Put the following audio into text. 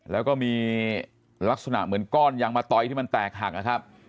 แล้วก็มีลักษณะเหมือนก้อนยางมะตอยที่มันแตกหักนะครับ